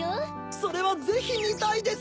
それはぜひみたいです！